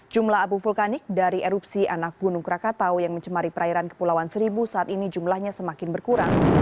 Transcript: jumlah abu vulkanik dari erupsi anak gunung krakatau yang mencemari perairan kepulauan seribu saat ini jumlahnya semakin berkurang